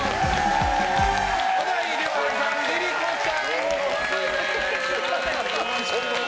小田井涼平さんＬｉＬｉＣｏさん夫妻です。